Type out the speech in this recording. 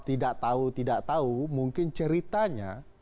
tidak tahu tidak tahu mungkin ceritanya